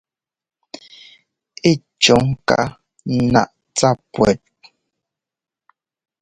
Ɛ́ cɔ̌ ŋká naꞌ tsa pʉ̈ɔt.